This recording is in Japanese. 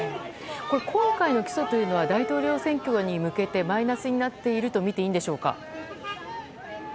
今回の起訴は大統領選挙に向けてマイナスになっていると見ていいんでしょうか？